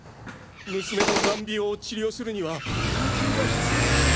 娘の難病を治療するには大金が必要で。